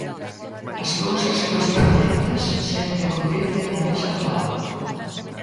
As cousas coas que conectas sempre acontecen na mesa do lado.